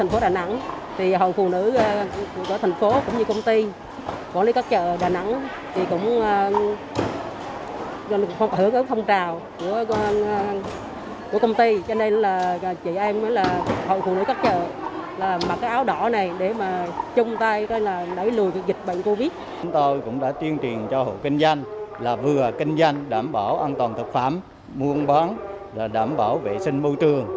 kinh doanh đảm bảo an toàn thực phẩm muôn bán đảm bảo vệ sinh môi trường